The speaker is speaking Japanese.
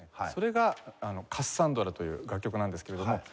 それが『カッサンドラ』という楽曲なんですけれども。